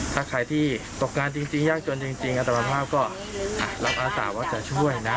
ถ้าใครที่ตกงานจริงจริงยากจนจริงจริงอัตมาภาพก็อ่ารับอาสาวะจะช่วยนะ